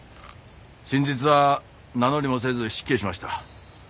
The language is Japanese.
先日は名乗りもせず失敬しました。